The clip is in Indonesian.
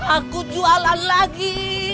aku jualan lagi